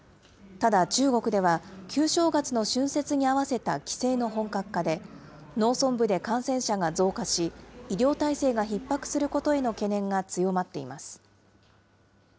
ただ、中国では、旧正月の春節に合わせた帰省の本格化で、農村部で感染者が増加し、医療体制がひっ迫することへの懸念が強まっています。